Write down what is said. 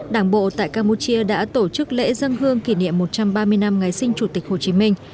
đảng bộ tại campuchia đã tổ chức lễ dân hương kỷ niệm một trăm ba mươi năm ngày sinh chủ tịch hồ chí minh